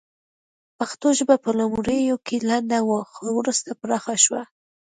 پښتو ژبه په لومړیو کې لنډه وه خو وروسته پراخه شوه